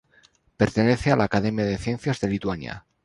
Pertenece a la Academia de Ciencias de Lituania.